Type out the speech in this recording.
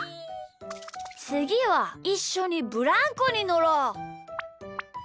つぎはいっしょにブランコにのろう！